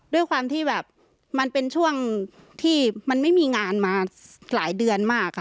ด้วยความที่แบบมันเป็นช่วงที่มันไม่มีงานมาหลายเดือนมากค่ะ